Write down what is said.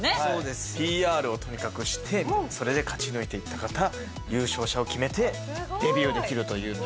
ＰＲをとにかくしてそれで勝ち抜いていった方優勝者を決めてデビューできるという。